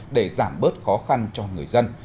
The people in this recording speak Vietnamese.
để giảm bớt khó khăn cho người dân